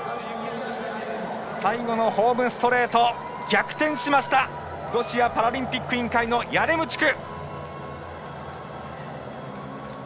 最後のホームストレート逆転しましたロシアパラリンピック委員会のヤレムチュク！